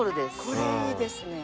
これいいですね。